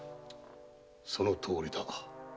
そのとおりだ。